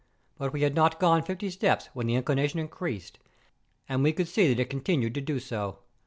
But we had not gone fifty steps when the inclination increased ; and we could see that it continued to do so.